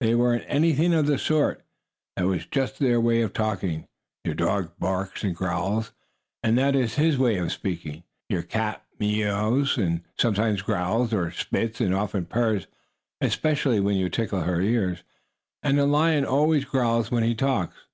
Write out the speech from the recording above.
They weren't anything of the sort. That was just their way of talking. Your dog barks and growls, and that is his way of speaking. Your cat mews and sometimes growls or "spits," and often purrs, especially when you tickle her ears. And a lion always growls when he talks.